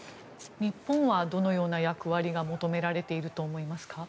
日本はどのような役割が求められていると思いますか？